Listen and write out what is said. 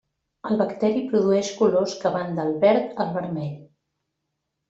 El bacteri produeix colors que van del verd al vermell.